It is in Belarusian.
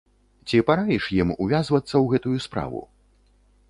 Ці параіш ім увязвацца ў гэтую справу?